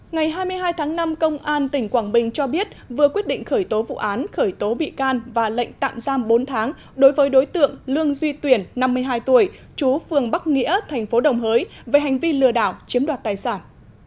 ngày hai mươi hai tháng năm công an tỉnh quảng bình cho biết vừa quyết định khởi tố vụ án khởi tố bị can và lệnh tạm giam bốn tháng đối với đối tượng lương duy tuyển năm mươi hai tuổi chú phường bắc nghĩa tp đồng hới về hành vi lừa đảo chiếm đoạt tài sản